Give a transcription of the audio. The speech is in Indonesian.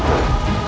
aku akan menang